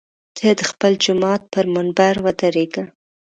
ته د خپل جومات پر منبر ودرېږه.